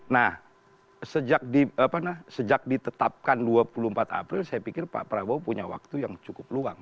nah sejak ditetapkan dua puluh empat april saya pikir pak prabowo punya waktu yang cukup luang